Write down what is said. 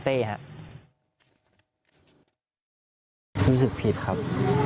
เต้ครับ